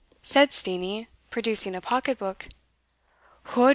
said Steenie, producing a pocket book.